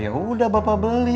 yaudah bapak beli